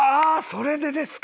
それでですか！